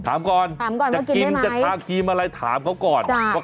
ถามก่อนจะกินจะทาครีมอะไรถามก่อนพกินได้มั้ย